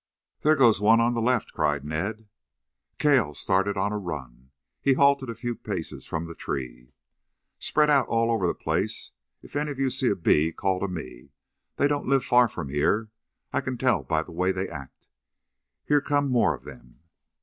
"There goes one to the left," cried Ned. Cale started on a run. He halted a few paces from the tree. "Spread out over the place. If any of you sees a bee, call to me. They don't live far from here. I can tell by the way they act. Here come more of them."